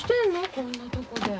こんなとこで。